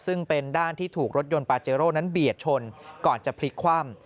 ซึ่งเป็นด้านที่ถูกรถยนต์ปาเจโร่นั้นเบียดชนก่อนจะพลิกคว่ำ